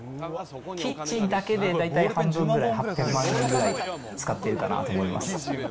キッチンだけで、大体半分ぐらい、８００万円ぐらい使ってるかなと思います。